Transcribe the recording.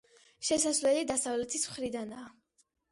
შესასვლელი დასავლეთის მხრიდანაა.